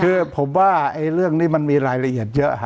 คือผมว่าเรื่องนี้มันมีรายละเอียดเยอะ